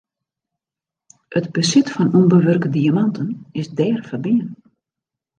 It besit fan ûnbewurke diamanten is dêr ferbean.